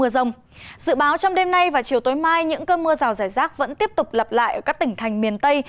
dự báo trong đêm nay và chiều tối mai những cơn mưa rào rải rác vẫn tiếp tục lặp lại ở các tỉnh thành miền tây